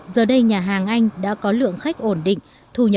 giờ đây nhà hàng anh đã có một số kinh tế